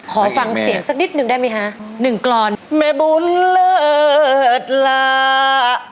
ขอฟังเสียงสักนิดหนึ่งได้ไหมคะหนึ่งกรอนแม่บุญเลิศลา